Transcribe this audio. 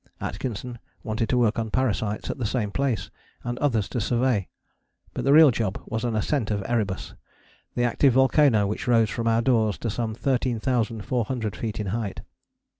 Atkinson wanted to work on parasites at the same place, and others to survey. But the real job was an ascent of Erebus, the active volcano which rose from our doors to some 13,400 feet in height.